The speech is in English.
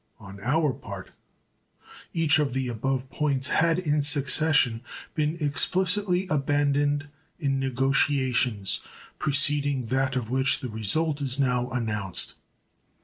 On our part each of the above points had in succession been explicitly abandoned in negotiations preceding that of which the result is now announced.